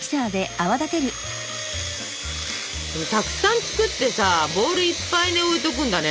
たくさん作ってさボールいっぱいに置いとくんだね。